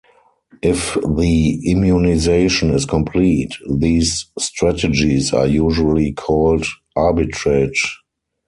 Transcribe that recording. If the immunization is complete, these strategies are usually called arbitrage.